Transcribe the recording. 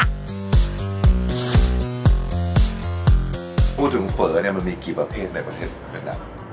พูดถึงเฝอมันมีกี่ประเภทในประเทศนั้น